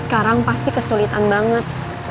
sekarang pasti kesulitan banget